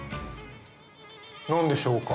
何でしょうか？